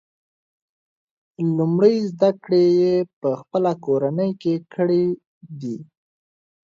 لومړۍ زده کړې یې په خپله کورنۍ کې کړي دي.